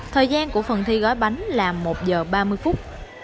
thời gian của phần thi gói bánh là một giờ ba mươi phút